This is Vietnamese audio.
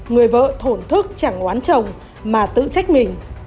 người vợ thổn thức chẳng quan trọng mà tự trách mình